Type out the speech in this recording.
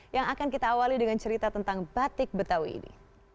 yang akan kita awali dengan cerita tentang batik betawi ini